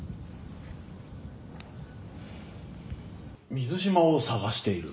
水島を捜している？